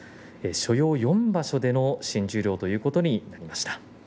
所要４場所での新十両ということになりました。